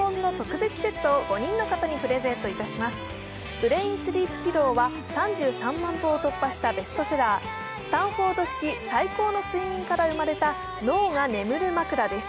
ブレインスリープピローは３３万部を突破したベストセラー「スタンフォード式最高の睡眠」から生まれた脳が眠る枕です。